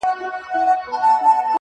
o حتمآ به ټول ورباندي وسوځيږي.